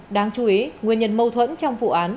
đáng chú ý nguyên nhân mâu thuẫn trong vụ án